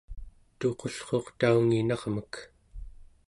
tuqullruuq taunginarmek